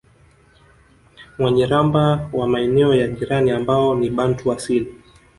Wanyiramba wa maeneo ya jirani ambao ni Bantu asili